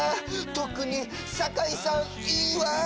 とくに酒井さんいいわ！